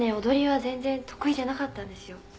踊りは全然得意じゃなかったんですよ」